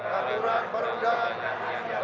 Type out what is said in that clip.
peraturan perundang undangan yang berlaku